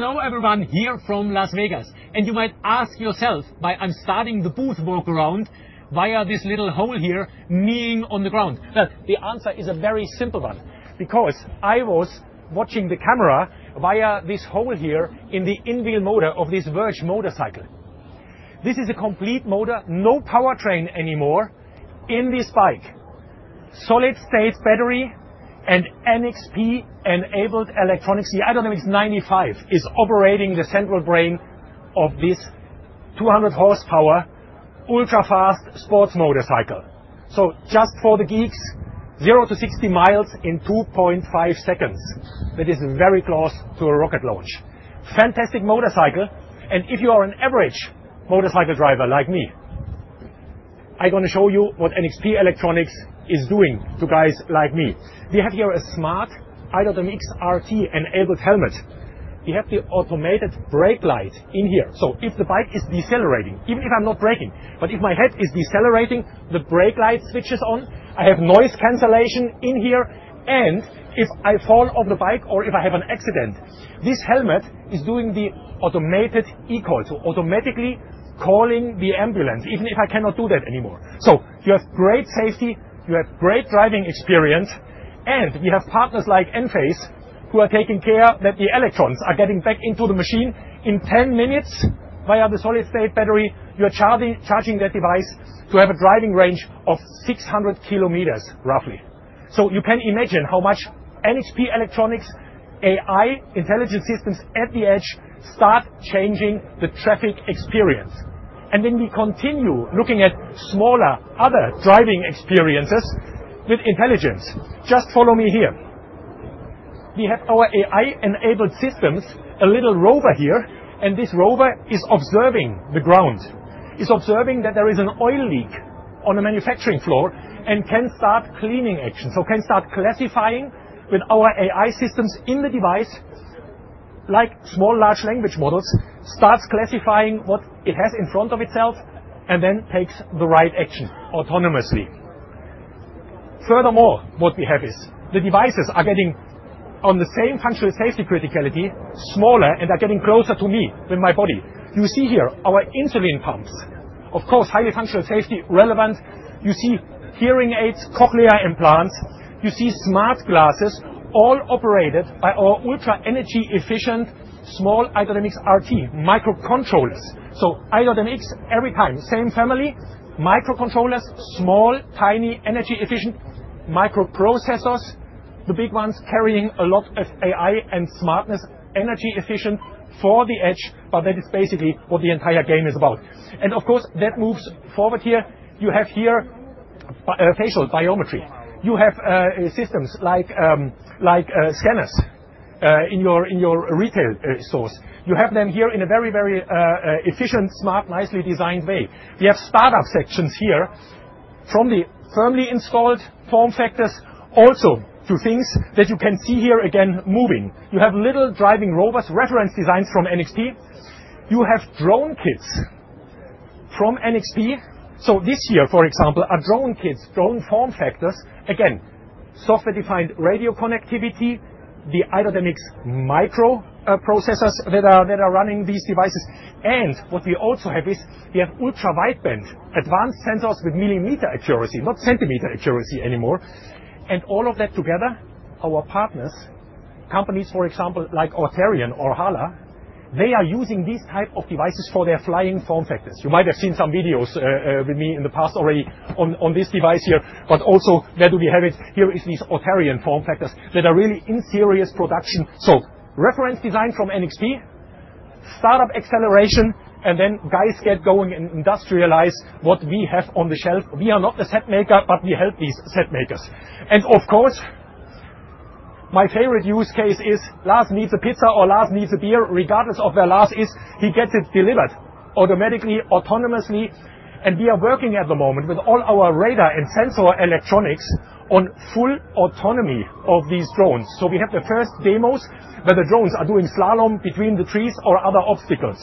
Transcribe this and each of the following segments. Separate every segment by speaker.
Speaker 1: Hello everyone here from Las Vegas, and you might ask yourself why I'm starting the booth walk-around via this little hole here kneeling on the ground. Well, the answer is a very simple one: because I was watching the camera via this hole here in the in-wheel motor of this Verge motorcycle. This is a complete motor, no powertrain anymore, in this bike: solid-state battery and NXP-enabled electronics. The i.MX 95 is operating the central brain of this 200-horsepower ultra-fast sports motorcycle. So just for the geeks, 0 to 60 miles in 2.5 seconds, that is very close to a rocket launch. Fantastic motorcycle, and if you are an average motorcycle driver like me, I'm going to show you what NXP Electronics is doing to guys like me. We have here a smart i.MX RT-enabled helmet. We have the automated brake light in here, so if the bike is decelerating, even if I'm not braking, but if my head is decelerating, the brake light switches on. I have noise cancellation in here, and if I fall off the bike or if I have an accident, this helmet is doing the automated e-call, so automatically calling the ambulance even if I cannot do that anymore. So you have great safety, you have great driving experience, and we have partners like Enphase who are taking care that the electrons are getting back into the machine in 10 minutes via the solid-state battery. You are charging that device to have a driving range of 600 kilometers, roughly. So you can imagine how much NXP electronics' AI intelligence systems at the edge start changing the traffic experience. And then we continue looking at smaller other driving experiences with intelligence. Just follow me here. We have our AI-enabled systems, a little rover here, and this rover is observing the ground, is observing that there is an oil leak on the manufacturing floor, and can start cleaning action, so can start classifying with our AI systems in the device. Like small/large language models, it starts classifying what it has in front of itself and then takes the right action autonomously. Furthermore, what we have is the devices are getting, on the same functional safety criticality, smaller and are getting closer to me with my body. You see here our insulin pumps. Of course, highly functional safety, relevant. You see hearing aids, cochlear implants. You see smart glasses, all operated by our ultra-energy-efficient small i.MX RT microcontrollers. So i.MX, every time, same family: microcontrollers, small, tiny, energy-efficient microprocessors, the big ones carrying a lot of AI and smartness, energy-efficient for the edge, but that is basically what the entire game is about. And of course, that moves forward here. You have here facial biometry. You have systems like scanners in your retail stores. You have them here in a very, very efficient, smart, nicely designed way. We have startup sections here from the firmly installed form factors, also to things that you can see here again moving. You have little driving rovers, reference designs from NXP. You have drone kits from NXP. So this here, for example, are drone kits, drone form factors. Again, software-defined radio connectivity, the i.MX microprocessors that are running these devices. And what we also have is we have Ultra-Wideband, advanced sensors with millimeter accuracy, not centimeter accuracy anymore. And all of that together, our partners, companies, for example, like Auterion or Holybro, they are using these types of devices for their flying form factors. You might have seen some videos with me in the past already on this device here, but also where do we have it? Here are these Auterion form factors that are really in serious production. So reference design from NXP, startup acceleration, and then guys get going and industrialize what we have on the shelf. We are not a set maker, but we help these set makers. And of course, my favorite use case is Lars needs a pizza or Lars needs a beer, regardless of where Lars is, he gets it delivered automatically, autonomously. And we are working at the moment with all our radar and sensor electronics on full autonomy of these drones. So we have the first demos where the drones are doing slalom between the trees or other obstacles,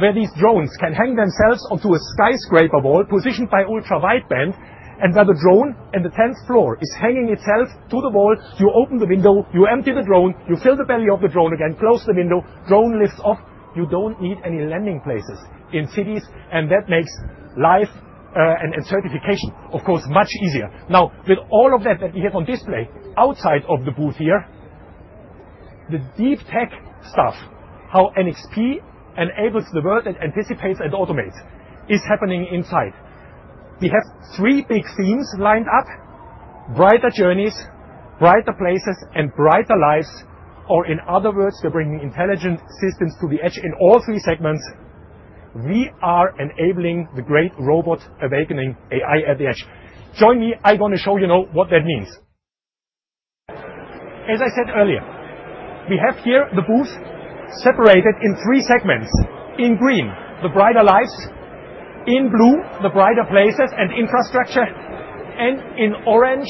Speaker 1: where these drones can hang themselves onto a skyscraper wall positioned by Ultra-Wideband, and where the drone in the 10th floor is hanging itself to the wall. You open the window, you empty the drone, you fill the belly of the drone again, close the window, drone lifts off. You don't need any landing places in cities, and that makes life and certification, of course, much easier. Now, with all of that that we have on display outside of the booth here, the deep tech stuff, how NXP enables the world that anticipates and automates, is happening inside. We have three big themes lined up: brighter journeys, brighter places, and brighter lives. Or in other words, we're bringing intelligent systems to the edge in all three segments. We are enabling the great robot awakening, AI at the edge. Join me. I'm going to show you what that means. As I said earlier, we have here the booth separated in three segments: in green, the brighter lives, in blue, the brighter places and infrastructure, and in orange,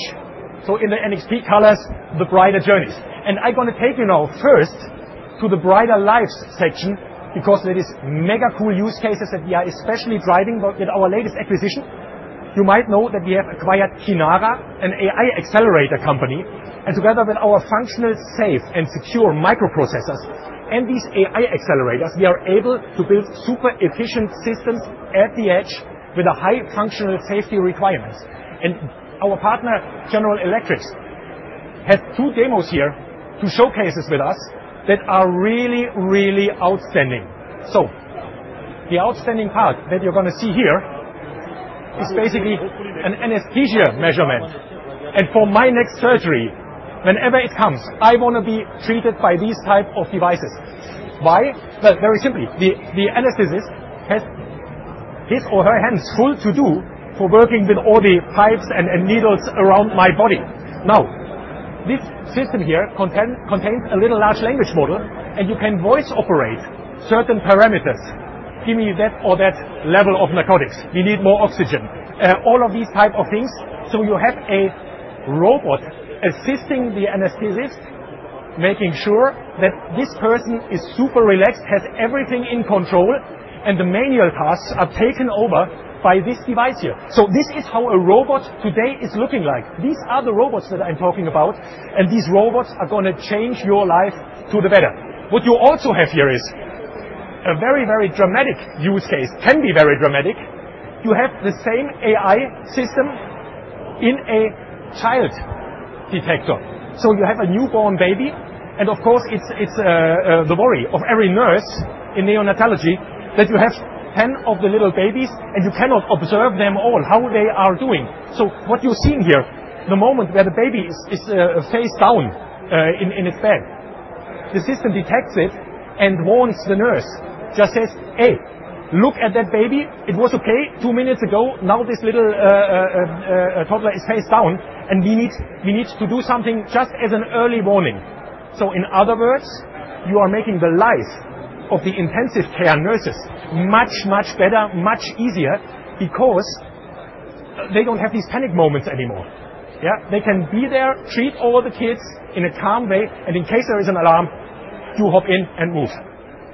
Speaker 1: so in the NXP colors, the brighter journeys. I'm going to take you first to the brighter lives section because that is mega-cool use cases that we are especially driving with our latest acquisition. You might know that we have acquired Kinara, an AI accelerator company, and together with our functional, safe, and secure microprocessors and these AI accelerators, we are able to build super-efficient systems at the edge with high functional safety requirements. Our partner, GE HealthCare, has two demos here to showcase with us that are really, really outstanding. So the outstanding part that you're going to see here is basically an anesthesia measurement. And for my next surgery, whenever it comes, I want to be treated by these types of devices. Why? Well, very simply. The anesthetist has his or her hands full to do for working with all the pipes and needles around my body. Now, this system here contains a little large language model, and you can voice-operate certain parameters. "Give me that or that level of narcotics. We need more oxygen." All of these types of things. So you have a robot assisting the anesthetist, making sure that this person is super relaxed, has everything in control, and the manual tasks are taken over by this device here. So this is how a robot today is looking like. These are the robots that I'm talking about, and these robots are going to change your life to the better. What you also have here is a very, very dramatic use case, can be very dramatic, you have the same AI system in a child detector. So you have a newborn baby, and of course, it's the worry of every nurse in neonatology that you have 10 of the little babies, and you cannot observe them all, how they are doing. So what you're seeing here, the moment where the baby is face down in its bed, the system detects it and warns the nurse, just says, "Hey, look at that baby. It was okay two minutes ago. Now this little toddler is face down, and we need to do something just as an early warning." So in other words, you are making the life of the intensive care nurses much, much better, much easier because they don't have these panic moments anymore. They can be there, treat all the kids in a calm way, and in case there is an alarm, do hop in and move.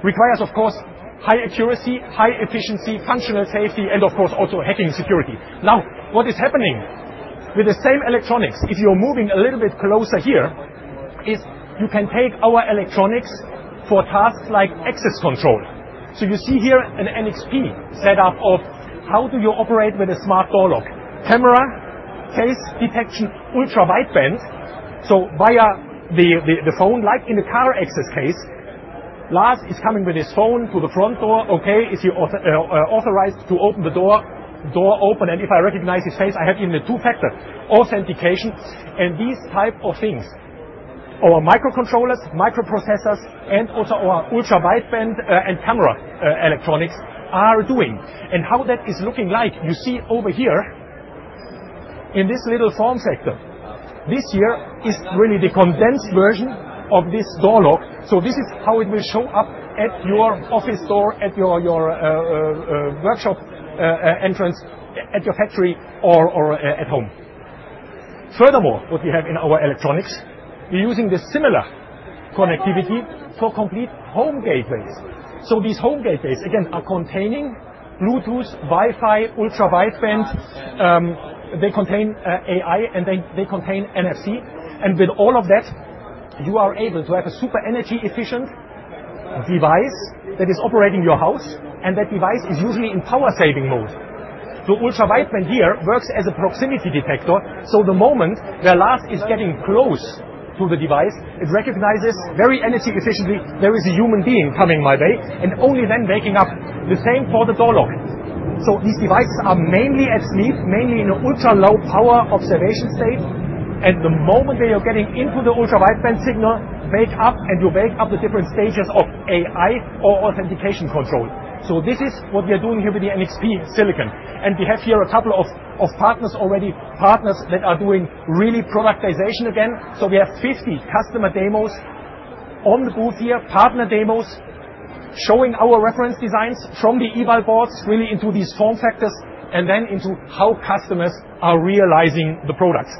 Speaker 1: Requires, of course, high accuracy, high efficiency, functional safety, and of course also hacking security. Now, what is happening with the same electronics, if you're moving a little bit closer here, is you can take our electronics for tasks like access control. So you see here an NXP setup of how do you operate with a smart door lock, camera case detection, Ultra-Wideband. So via the phone, like in the car access case, Lars is coming with his phone to the front door. "Okay. Is he authorized to open the door?" Door open. And if I recognize his face, I have even a two-factor authentication and these types of things. Our microcontrollers, microprocessors, and also our ultra-wideband and camera electronics are doing. And how that is looking like, you see over here in this little form factor. This here is really the condensed version of this door lock. So this is how it will show up at your office door, at your workshop entrance, at your factory, or at home. Furthermore, what we have in our electronics, we're using the similar connectivity for complete home gateways. So these home gateways, again, are containing Bluetooth, Wi-Fi, ultra-wideband. They contain AI, and they contain NFC. With all of that, you are able to have a super-energy-efficient device that is operating your house, and that device is usually in power-saving mode. Ultra-Wideband here works as a proximity detector. The moment where Lars is getting close to the device, it recognizes very energy efficiently, "There is a human being coming my way," and only then waking up the same for the door lock. These devices are mainly at sleep, mainly in an ultra-low power observation state. The moment they are getting into the Ultra-Wideband signal, wake up, and you wake up the different stages of AI or authentication control. This is what we are doing here with the NXP silicon. We have here a couple of partners already, partners that are doing really productization again. So we have 50 customer demos on the booth here, partner demos showing our reference designs from the eval boards, really into these form factors, and then into how customers are realizing the products.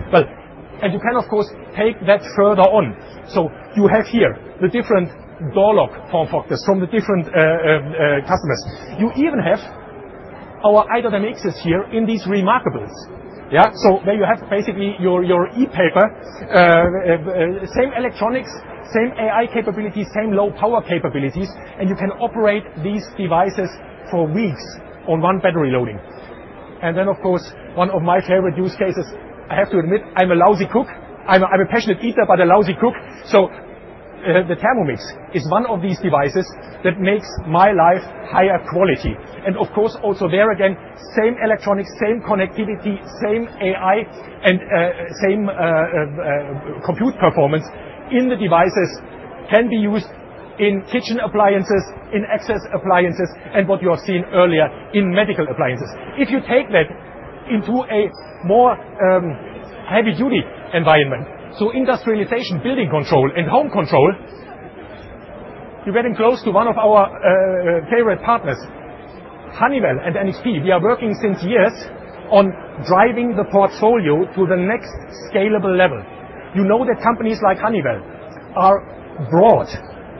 Speaker 1: And you can, of course, take that further on. So you have here the different door lock form factors from the different customers. You even have our i.MX here in these reMarkables. So there you have basically your e-paper, same electronics, same AI capabilities, same low-power capabilities, and you can operate these devices for weeks on one battery loading. And then, of course, one of my favorite use cases, I have to admit, I'm a lousy cook. I'm a passionate eater, but a lousy cook. So the Thermomix is one of these devices that makes my life higher quality. And of course, also there again, same electronics, same connectivity, same AI, and same compute performance in the devices can be used in kitchen appliances, in access appliances, and what you have seen earlier in medical appliances. If you take that into a more heavy-duty environment, so industrialization, building control, and home control, you're getting close to one of our favorite partners, Honeywell and NXP. We are working since years on driving the portfolio to the next scalable level. You know that companies like Honeywell are broad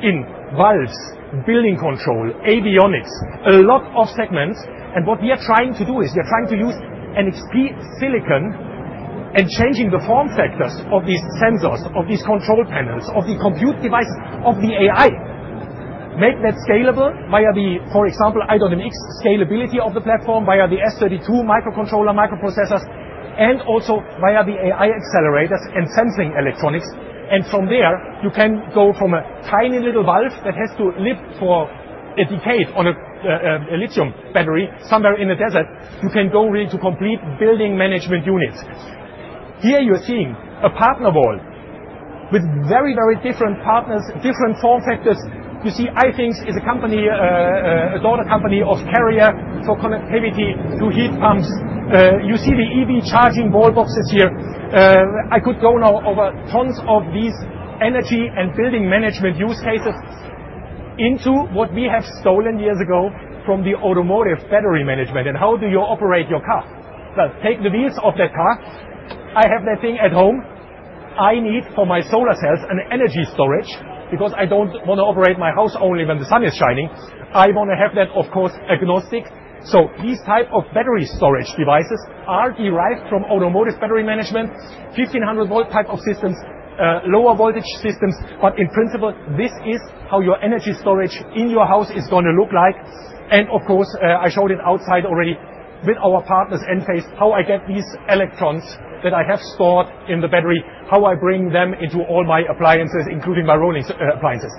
Speaker 1: in valves, building control, avionics, a lot of segments. And what we are trying to do is we are trying to use NXP Silicon and changing the form factors of these sensors, of these control panels, of the compute devices, of the AI. Make that scalable via the, for example, i.MX scalability of the platform via the S32 microcontroller, microprocessors, and also via the AI accelerators and sensing electronics. And from there, you can go from a tiny little valve that has to live for a decade on a lithium battery somewhere in the desert, you can go really to complete building management units. Here you're seeing a partner wall with very, very different partners, different form factors. You see iThings is a company, a daughter company of Carrier for connectivity to heat pumps. You see the EV charging wallboxes here. I could go now over tons of these energy and building management use cases into what we have stolen years ago from the automotive battery management. And how do you operate your car? Well, take the wheels of that car. I have that thing at home. I need for my solar cells an energy storage because I don't want to operate my house only when the sun is shining. I want to have that, of course, agnostic. So these types of battery storage devices are derived from automotive battery management, 1500-volt type of systems, lower voltage systems. But in principle, this is how your energy storage in your house is going to look like. And of course, I showed it outside already with our partners, Enphase, how I get these electrons that I have stored in the battery, how I bring them into all my appliances, including my rolling appliances.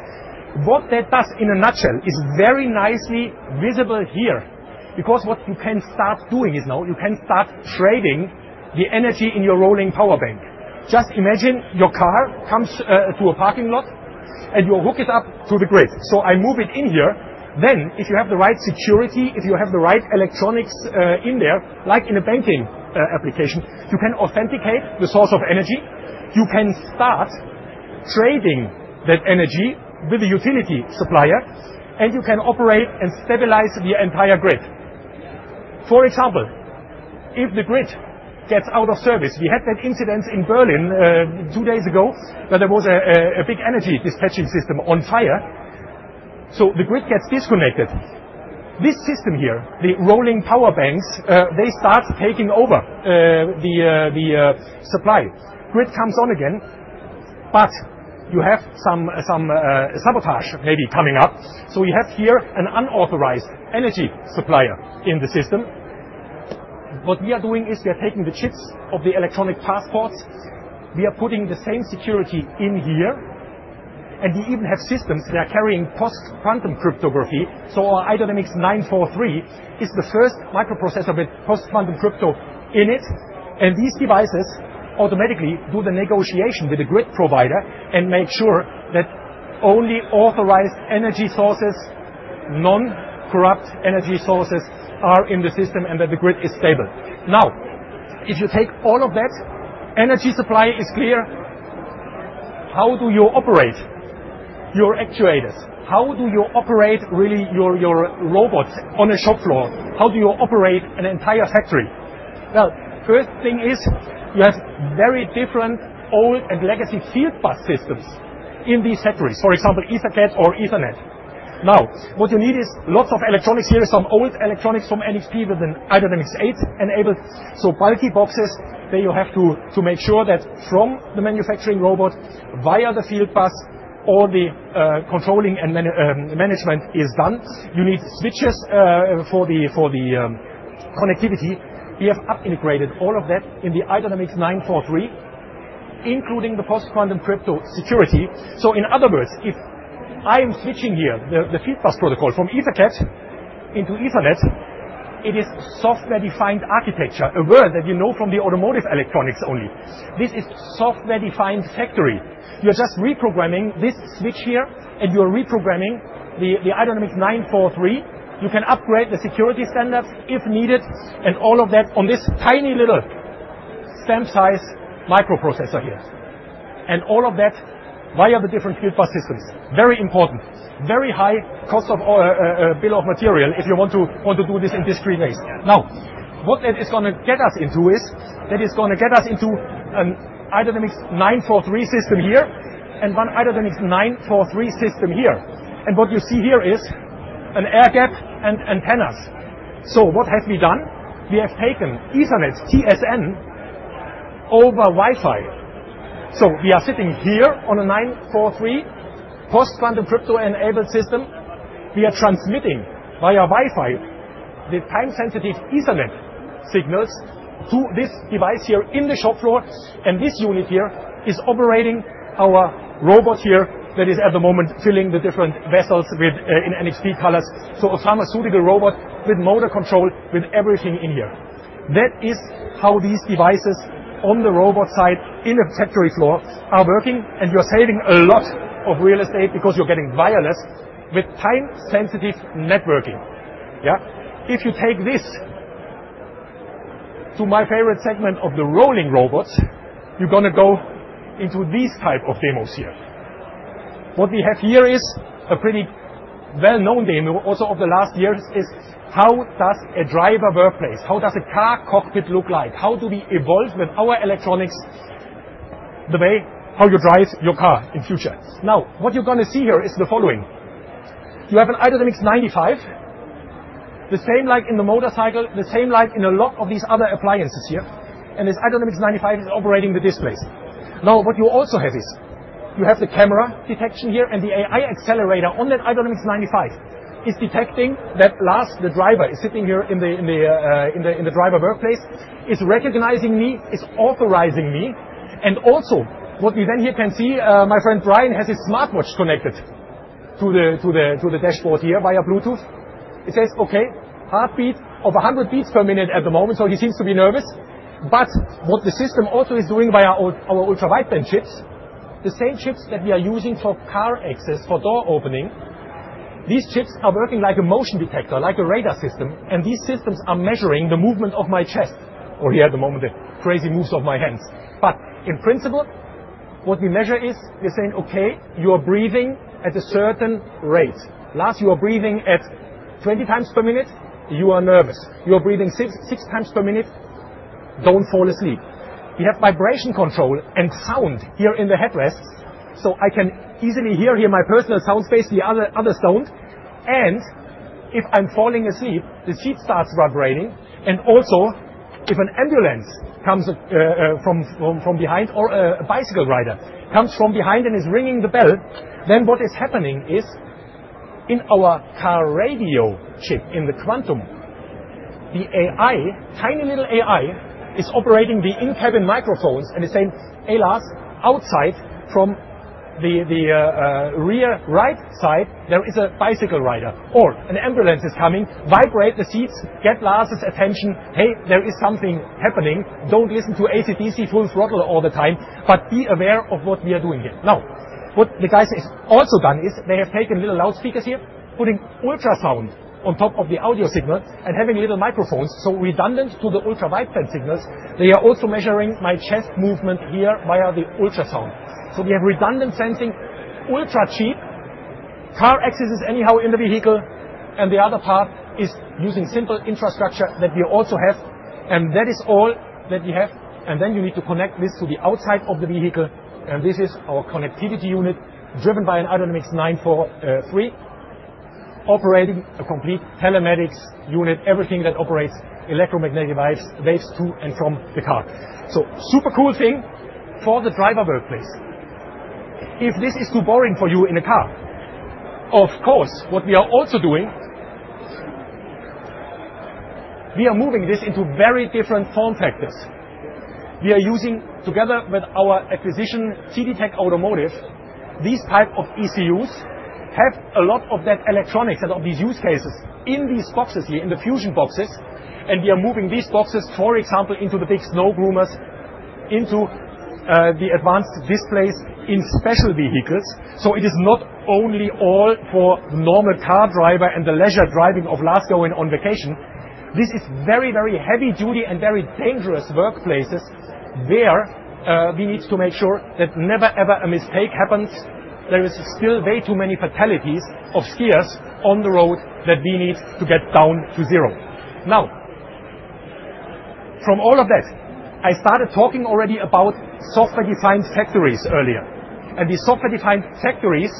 Speaker 1: What that does in a nutshell is very nicely visible here because what you can start doing is now you can start trading the energy in your rolling power bank. Just imagine your car comes to a parking lot, and your hook is up to the grid. So I move it in here. Then, if you have the right security, if you have the right electronics in there, like in a banking application, you can authenticate the source of energy. You can start trading that energy with the utility supplier, and you can operate and stabilize the entire grid. For example, if the grid gets out of service, we had that incident in Berlin two days ago where there was a big energy dispatching system on fire, so the grid gets disconnected. This system here, the rolling power banks, they start taking over the supply. Grid comes on again, but you have some sabotage maybe coming up. So you have here an unauthorized energy supplier in the system. What we are doing is we are taking the chips of the electronic passports. We are putting the same security in here. We even have systems that are carrying Post-Quantum Cryptography. Our i.MX 93 is the first microprocessor with post-quantum crypto in it. These devices automatically do the negotiation with the grid provider and make sure that only authorized energy sources, non-corrupt energy sources are in the system and that the grid is stable. Now, if you take all of that, energy supply is clear. How do you operate your actuators? How do you operate really your robots on a shop floor? How do you operate an entire factory? Well, first thing is you have very different old and legacy field bus systems in these factories, for example, EtherCAT or Ethernet. Now, what you need is lots of electronics here, some old electronics from NXP with an i.MX 8 enabled. So bulky boxes, there you have to make sure that from the manufacturing robot via the field bus, all the controlling and management is done. You need switches for the connectivity. We have up-integrated all of that in the i.MX 93, including the post-quantum crypto security. So in other words, if I am switching here the field bus protocol from EtherCAT into Ethernet, it is software-defined architecture, a word that you know from the automotive electronics only. This is Software-Defined Factory. You're just reprogramming this switch here, and you're reprogramming the i.MX 93. You can upgrade the security standards if needed, and all of that on this tiny little stamp-size microprocessor here. And all of that via the different field bus systems. Very important, very high cost of bill of material if you want to do this in discrete ways. Now, what that is going to get us into is that is going to get us into an i.MX 93 system here and one i.MX 93 system here. And what you see here is an air gap and antennas. So what have we done? We have taken Ethernet TSN over Wi-Fi. So we are sitting here on a 93 post-quantum crypto-enabled system. We are transmitting via Wi-Fi the time-sensitive Ethernet signals to this device here in the shop floor. And this unit here is operating our robot here that is at the moment filling the different vessels in NXP colors. So a pharmaceutical robot with motor control, with everything in here. That is how these devices on the robot side in the factory floor are working. And you're saving a lot of real estate because you're getting wireless with time-sensitive networking. If you take this to my favorite segment of the rolling robots, you're going to go into these types of demos here. What we have here is a pretty well-known demo also of the last years: how does a driver workplace, how does a car cockpit look like, how do we evolve with our electronics the way how you drive your car in future. Now, what you're going to see here is the following. You have an i.MX 95, the same like in the motorcycle, the same like in a lot of these other appliances here. And this i.MX 95 is operating the displays. Now, what you also have is you have the camera detection here, and the AI accelerator on that i.MX 95 is detecting that Lars, the driver, is sitting here in the driver workplace, is recognizing me, is authorizing me. And also what we then here can see, my friend Brian has his smartwatch connected to the dashboard here via Bluetooth. It says, "Okay, heartbeat of 100 beats per minute at the moment." So he seems to be nervous. But what the system also is doing via our Ultra-Wideband chips, the same chips that we are using for car access, for door opening, these chips are working like a motion detector, like a radar system. And these systems are measuring the movement of my chest or here at the moment, the crazy moves of my hands. But in principle, what we measure is we're saying, "Okay, you are breathing at a certain rate. Lars, you are breathing at 20 times per minute. You are nervous. You are breathing 6 times per minute. Don't fall asleep." We have vibration control and sound here in the headrests. So I can easily hear here my personal sound space. The others don't. And if I'm falling asleep, the seat starts vibrating and also if an ambulance comes from behind or a bicycle rider comes from behind and is ringing the bell, then what is happening is in our car radio chip in the quantum, the AI, tiny little AI, is operating the in-cabin microphones and is saying, "Hey, Lars, outside from the rear right side, there is a bicycle rider or an ambulance is coming. Vibrate the seats. Get Lars's attention. Hey, there is something happening. Don't listen to AC/DC full throttle all the time, but be aware of what we are doing here." Now, what the guys have also done is they have taken little loudspeakers here, putting ultrasound on top of the audio signal and having little microphones. So redundant to the Ultra-Wideband signals, they are also measuring my chest movement here via the ultrasound. So we have redundant sensing, ultra-cheap. Car access is anyhow in the vehicle. The other part is using simple infrastructure that we also have. That is all that we have. Then you need to connect this to the outside of the vehicle. This is our connectivity unit driven by an i.MX 93, operating a complete telematics unit, everything that operates electromagnetic waves, waves to and from the car. So super cool thing for the driver workplace. If this is too boring for you in a car, of course, what we are also doing, we are moving this into very different form factors. We are using, together with our acquisition, TTTech Auto, these types of ECUs have a lot of that electronics and of these use cases in these boxes here, in the fusion boxes. We are moving these boxes, for example, into the big snow groomers, into the advanced displays in special vehicles. So it is not only all for the normal car driver and the leisure driving of Lars going on vacation. This is very, very heavy-duty and very dangerous workplaces where we need to make sure that never, ever a mistake happens. There are still way too many fatalities of skiers on the road that we need to get down to zero. Now, from all of that, I started talking already about software-defined factories earlier. These software-defined factories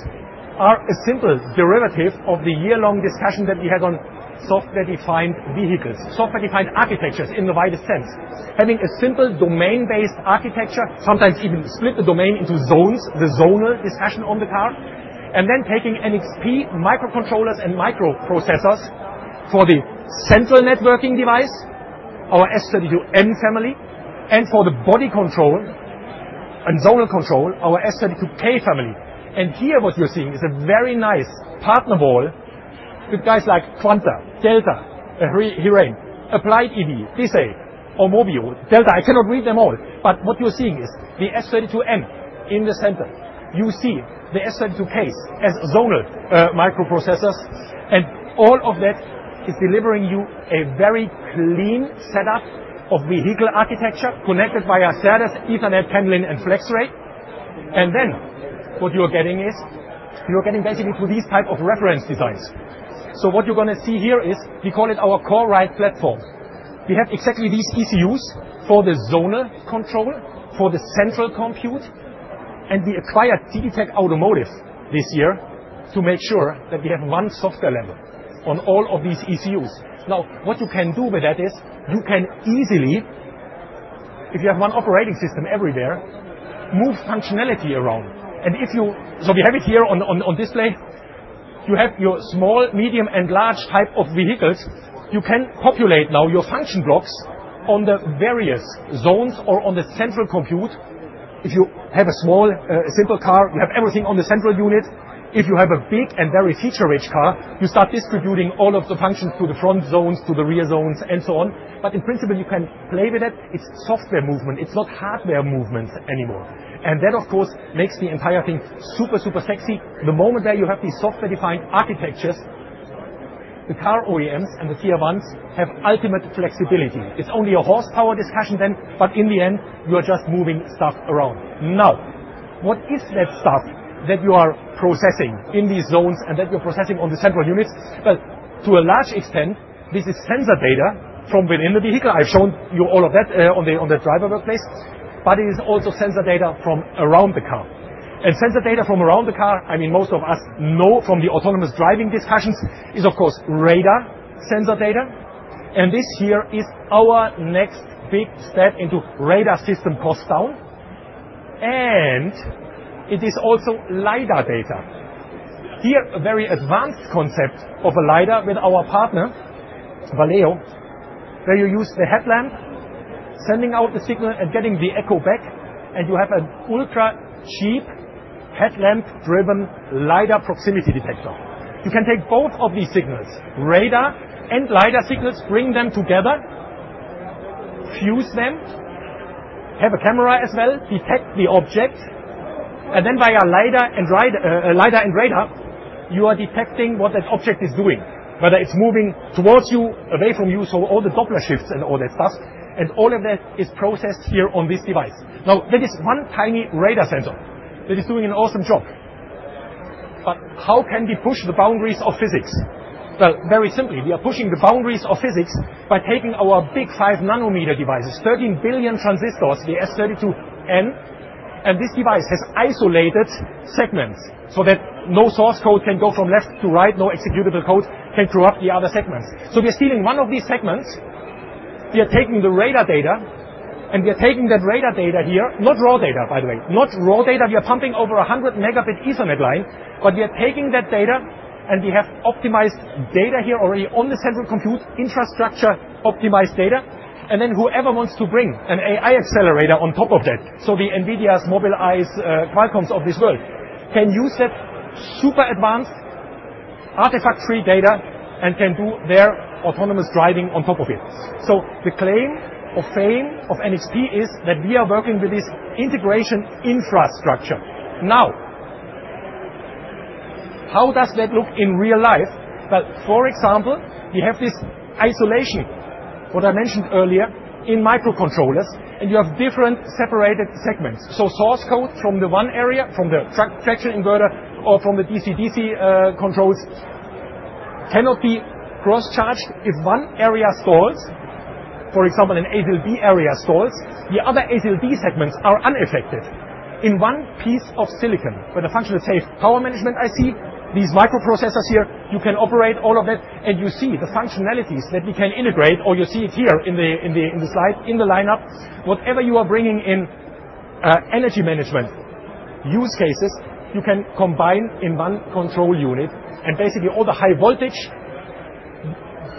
Speaker 1: are a simple derivative of the year-long discussion that we had on software-defined vehicles, software-defined architectures in the widest sense. Having a simple domain-based architecture, sometimes even split the domain into zones, the zonal discussion on the car. Then taking NXP microcontrollers and microprocessors for the central networking device, our S32M family, and for the body control and zonal control, our S32K family. Here what you're seeing is a very nice partner wall with guys like Quanta, Delta, HiRain, Applied EV, Desay, Aumovio. Delta, I cannot read them all. But what you're seeing is the S32M in the center. You see the S32Ks as zonal microprocessors. And all of that is delivering you a very clean setup of vehicle architecture connected via SerDes, Ethernet, pendulum, and FlexRay. Then what you are getting is you are getting basically to these types of reference designs. So what you're going to see here is we call it our CoreRide platform. We have exactly these ECUs for the zonal control, for the central compute, and we acquired TTTech Auto this year to make sure that we have one software level on all of these ECUs. Now, what you can do with that is you can easily, if you have one operating system everywhere, move functionality around. And if you so we have it here on display. You have your small, medium, and large type of vehicles. You can populate now your function blocks on the various zones or on the central compute. If you have a small, simple car, you have everything on the central unit. If you have a big and very feature-rich car, you start distributing all of the functions to the front zones, to the rear zones, and so on. But in principle, you can play with it. It's software movement. It's not hardware movements anymore. And that, of course, makes the entire thing super, super sexy. The moment where you have these software-defined architectures, the car OEMs and the Tier 1s have ultimate flexibility. It's only a horsepower discussion then, but in the end, you are just moving stuff around. Now, what is that stuff that you are processing in these zones and that you're processing on the central units? Well, to a large extent, this is sensor data from within the vehicle. I've shown you all of that on the driver workplace. But it is also sensor data from around the car. And sensor data from around the car, I mean, most of us know from the autonomous driving discussions, is, of course, radar sensor data. And this here is our next big step into radar system cost down. And it is also LiDAR data. Here, a very advanced concept of a LiDAR with our partner, Valeo, where you use the headlamp, sending out the signal and getting the echo back. And you have an ultra-cheap headlamp-driven LiDAR proximity detector. You can take both of these signals, radar and LiDAR signals, bring them together, fuse them, have a camera as well, detect the object. And then via LiDAR and radar, you are detecting what that object is doing, whether it's moving towards you, away from you. So all the Doppler shifts and all that stuff. And all of that is processed here on this device. Now, that is one tiny radar sensor that is doing an awesome job. But how can we push the boundaries of physics? Well, very simply, we are pushing the boundaries of physics by taking our big 5-nanometer devices, 13 billion transistors, the S32N. This device has isolated segments so that no source code can go from left to right, no executable code can corrupt the other segments. So we are stealing one of these segments. We are taking the radar data. And we are taking that radar data here, not raw data, by the way. Not raw data. We are pumping over a 100 megabit Ethernet line. But we are taking that data. And we have optimized data here already on the central compute, infrastructure-optimized data. And then whoever wants to bring an AI accelerator on top of that, so the NVIDIAs, Mobileyes, Qualcomms of this world, can use that super-advanced, artifact-free data and can do their autonomous driving on top of it. So the claim of fame of NXP is that we are working with this integration infrastructure. Now, how does that look in real life? Well, for example, we have this isolation, what I mentioned earlier, in microcontrollers. And you have different separated segments. So source code from the one area, from the traction inverter or from the DC/DC controls, cannot be cross-charged. If one area stalls, for example, an ASIL-B area stalls, the other ASIL-D segments are unaffected in one piece of silicon. But the function is safe. Power management, I see, these microprocessors here, you can operate all of that. And you see the functionalities that we can integrate, or you see it here in the slide, in the lineup. Whatever you are bringing in energy management use cases, you can combine in one control unit. And basically, all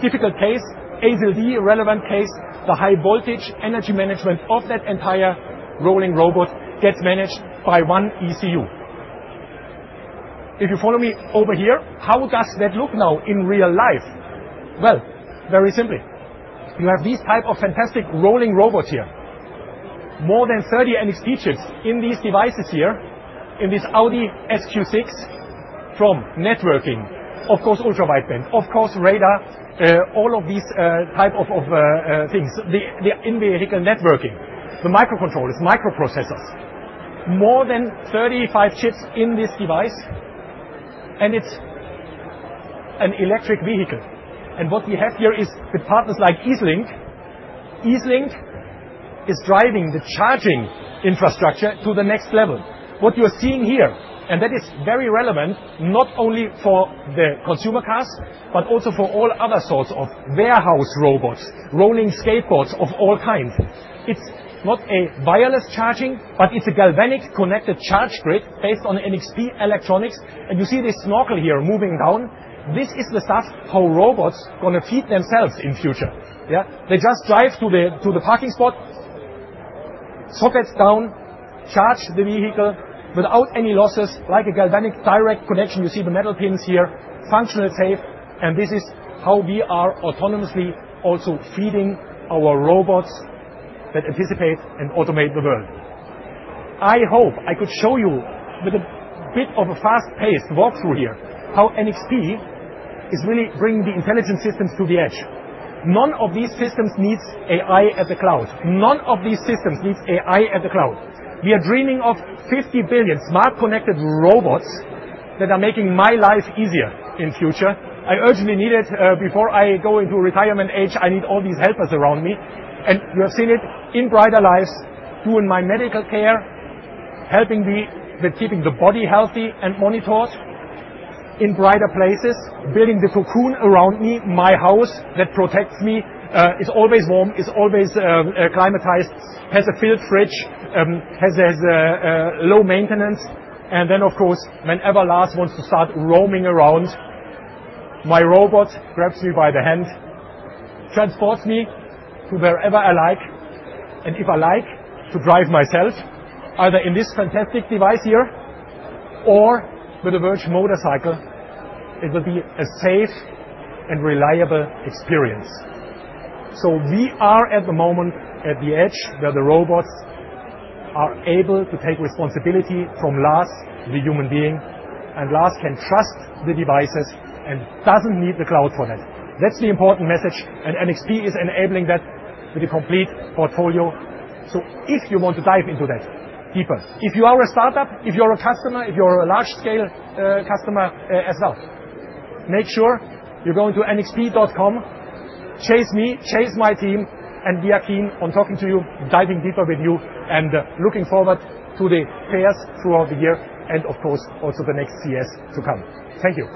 Speaker 1: the high-voltage, difficult case, ASIL-D, relevant case, the high-voltage energy management of that entire rolling robot gets managed by one ECU. If you follow me over here, how does that look now in real life? Well, very simply. You have these types of fantastic rolling robots here, more than 30 NXP chips in these devices here, in this Audi SQ6 from networking, of course, Ultra-Wideband, of course, radar, all of these types of things, the in-vehicle networking, the microcontrollers, microprocessors, more than 35 chips in this device. It's an electric vehicle. What we have here is with partners like EaseLink. EaseLink is driving the charging infrastructure to the next level. What you are seeing here, and that is very relevant not only for the consumer cars but also for all other sorts of warehouse robots, rolling skateboards of all kinds. It's not a wireless charging, but it's a galvanic connected charge grid based on NXP electronics. You see this snorkel here moving down. This is the stuff how robots are going to feed themselves in the future. Yeah? They just drive to the parking spot, sockets down, charge the vehicle without any losses, like a galvanic direct connection. You see the metal pins here. Functional, safe. And this is how we are autonomously also feeding our robots that anticipate and automate the world. I hope I could show you with a bit of a fast-paced walkthrough here how NXP is really bringing the intelligent systems to the edge. None of these systems needs AI at the cloud. None of these systems needs AI at the cloud. We are dreaming of 50 billion smart connected robots that are making my life easier in the future. I urgently need it. Before I go into retirement age, I need all these helpers around me. You have seen it in brighter lives, doing my medical care, helping me with keeping the body healthy and monitors in brighter places, building the cocoon around me, my house that protects me, is always warm, is always climatized, has a filled fridge, has low maintenance. Then, of course, whenever Lars wants to start roaming around, my robot grabs me by the hand, transports me to wherever I like. If I like to drive myself, either in this fantastic device here or with a virtual motorcycle, it will be a safe and reliable experience. We are at the moment at the edge where the robots are able to take responsibility from Lars, the human being. Lars can trust the devices and doesn't need the cloud for that. That's the important message. NXP is enabling that with a complete portfolio. If you want to dive into that deeper, if you are a startup, if you are a customer, if you are a large-scale customer as well, make sure you go into NXP.com, chase me, chase my team. We are keen on talking to you, diving deeper with you, and looking forward to the fairs throughout the year and, of course, also the next CES to come. Thank you.